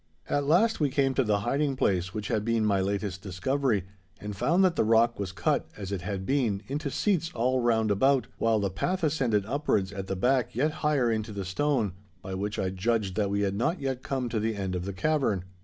At last we came to the hiding place which had been my latest discovery, and found that the rock was cut, as it had been, into seats all round about, while the path ascended upwards at the back yet higher into the stone, by which I judged that we had not yet come to the end of the cavern.